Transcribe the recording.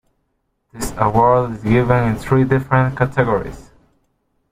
This award is given in three different categories.